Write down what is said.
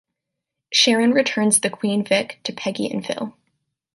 Sharon returns The Queen Vic to Peggy and Phil.